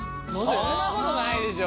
そんなことないでしょ。